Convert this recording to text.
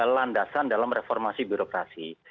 landasan dalam reformasi birokrasi